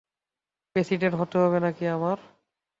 President হতে হবে নাকি আমায়?